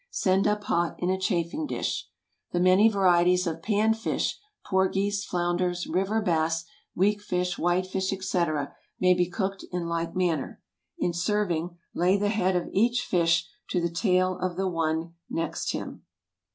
Send up hot in a chafing dish. The many varieties of pan fish—porgies, flounders, river bass, weak fish, white fish, etc., may be cooked in like manner. In serving, lay the head of each fish to the tail of the one next him.